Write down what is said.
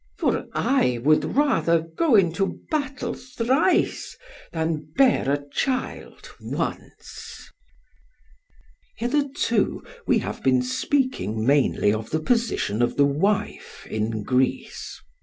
For I would rather go into battle thrice than bear a child once." [Footnote: Euripides, Med. 230.] Hitherto we have been speaking mainly of the position of the wife in Greece.